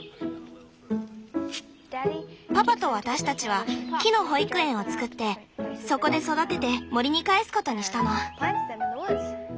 パパと私たちは木の「保育園」を作ってそこで育てて森に還すことにしたの。